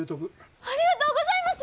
ありがとうございます！